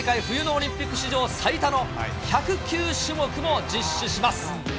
冬のオリンピック史上最多の１０９種目を実施します。